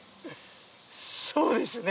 そうですね。